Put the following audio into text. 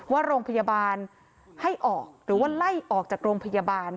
ว่าโรงพยาบาลให้ออกหรือว่าไล่ออกจากโรงพยาบาล